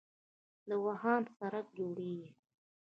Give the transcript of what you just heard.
د واخان سړک جوړیږي